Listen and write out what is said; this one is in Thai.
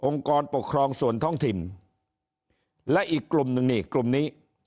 กรปกครองส่วนท้องถิ่นและอีกกลุ่มหนึ่งนี่กลุ่มนี้